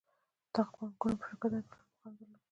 دغو بانکونو په شرکتونو کې لوړ مقام درلود